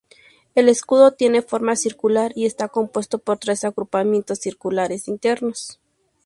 El escudo tiene forma circular y está compuesto por tres agrupamientos circulares internos.